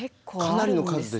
かなりの数ですよね。